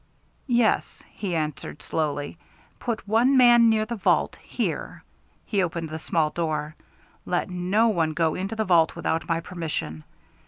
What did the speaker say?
"Yes," he answered slowly. "Put one man near the vault here" he opened the small door "let no one go into the vault without my permission.